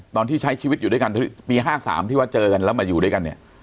ตอนที่ใช้ชีวิตอยู่ด้วยกันปี๕๓ที่ว่าเจอกันแล้วมาอยู่ด้วยกันเนี่ย